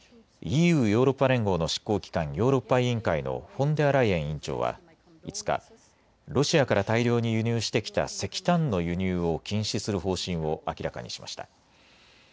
ＥＵ・ヨーロッパ連合の執行機関、ヨーロッパ委員会のフォンデアライエン委員長は５日、ロシアから大量に輸入してきた石炭の輸入を禁止する方針を明らかにしました。